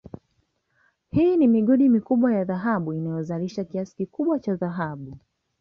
Hii ni migodi mikubwa ya dhahabu inayozalisha kiasi kikubwa cha dhahabu